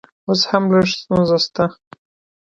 اوس هم لږ ستونزه شته